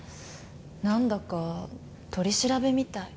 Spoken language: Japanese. なんだか取り調べみたい。